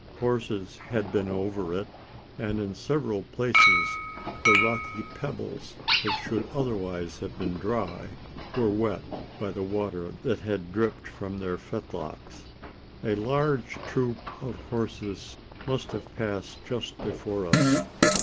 Horses had been over it; and in several places the rocky pebbles, that should otherwise have been dry, were wet by the water that had dripped from their fetlocks. A large troop of horses must have passed just before us.